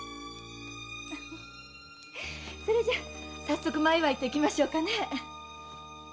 それじゃ早速前祝いといきましょうかねえ！